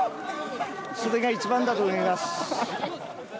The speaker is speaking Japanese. それが一番だと思います。